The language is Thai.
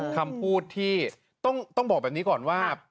คำพูดที่ต้องบอกแบบนี้ก่อนว่า